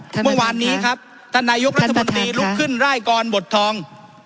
เมื่อวานนี้ท่านนายุคราชบนตรีหลุดขึ้นร่ายกรบดทอง